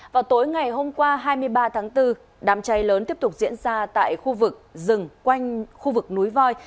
vào tối ngày hôm qua hai mươi ba tháng bốn đám cháy lớn tiếp tục diễn ra tại khu vực rừng quanh khu vực núi voi